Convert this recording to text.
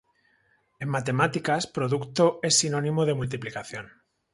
En matemáticas, producto es sinónimo de multiplicación.